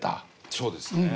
そうですね。